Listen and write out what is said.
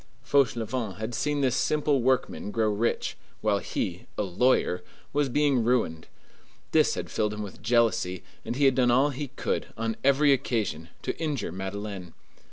Fauchelevent had seen this simple workman grow rich, while he, a lawyer, was being ruined. This had filled him with jealousy, and he had done all he could, on every occasion, to injure Madeleine.